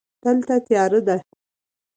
دلته تیاره ده.